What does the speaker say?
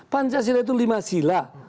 pancasila itu lima sila